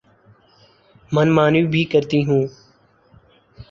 من مانی بھی کرتی ہوں۔